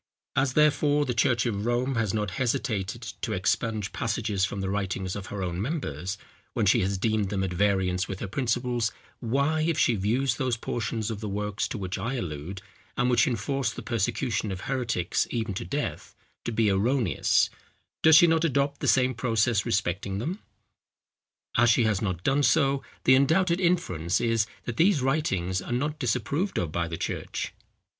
As, therefore, the church of Rome has not hesitated to expunge passages from the writings of her own members, when she has deemed them at variance with her principles, why, if she views those portions of the works to which I allude, and which enforce the persecution of heretics even to death, to be erroneous, does she not adopt the same process respecting them? As she has not done so, the undoubted inference is, that these writings are not disapproved of by the church.